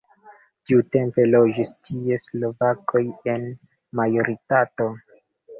Tiutempe loĝis tie slovakoj en majoritato.